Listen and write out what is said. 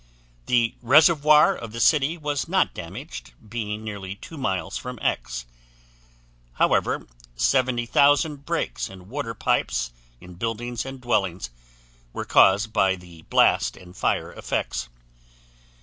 The reservoir of the city was not damaged, being nearly 2 miles from X. However, 70,000 breaks in water pipes in buildings and dwellings were caused by the blast and fire effects.